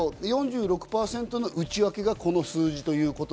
４６％の内訳がこの数字です。